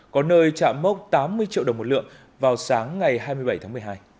có nơi chạm mốc tám mươi triệu đồng một lượng vào sáng ngày hai mươi bảy tháng một mươi hai